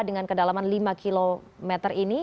dengan kedalaman lima km ini